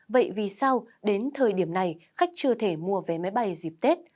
vậy vì sao đến thời điểm này khách chưa thể mua vé máy bay dịp tết